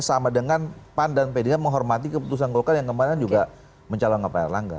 sama dengan pan dan p tiga menghormati keputusan golkar yang kemarin juga mencalonkan pak erlangga